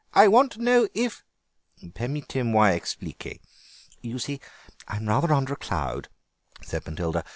I want to know if—" "Permettez moi expliquer. You see, I'm rather under a cloud," said Matilda.